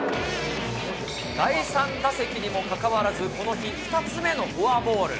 第３打席にもかかわらず、この日、２つ目のフォアボール。